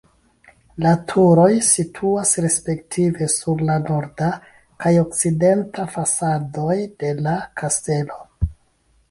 La turoj situas respektive sur la norda kaj okcidenta fasadoj de la kastelo.